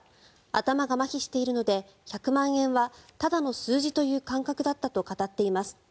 頭がまひしているので１００万円はただの数字という感覚だったと語っています。